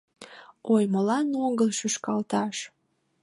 Ой, молан огыл шӱшкалташ?